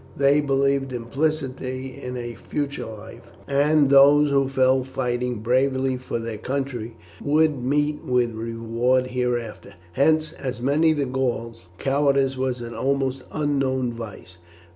They believed implicitly in a future life, and that those who fell fighting bravely for their country would meet with reward hereafter; hence, as among the Gauls, cowardice was an almost unknown vice.